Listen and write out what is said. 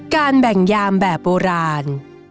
การแบ่งยามแบบโบราณ